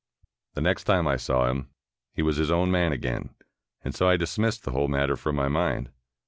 The next time I saw him, he was his own man again, and so I dismissed the whole matter from my mind.